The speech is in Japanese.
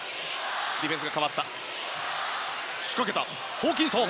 ホーキンソン！